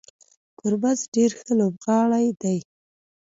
ګربز ډیر ښه لوبغاړی دی